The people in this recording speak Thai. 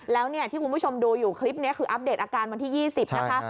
แล้วเนี่ยที่คุณผู้ชมดูอยู่คลิปนี้คืออัปเดตอาการวันที่๒๐นะคะ